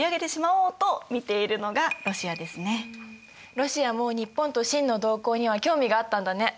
ロシアも日本と清の動向には興味があったんだね。